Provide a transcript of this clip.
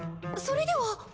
それでは。